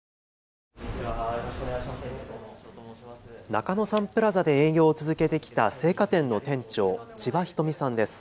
中野サンプラザで営業を続けてきた生花店の店長、千葉瞳さんです。